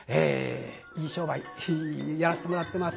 いい商売やらせてもらってます。